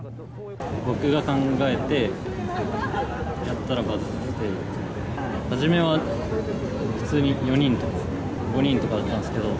僕が考えて、やったらバズって、初めは普通に４人とか、５人とかだったんですけど。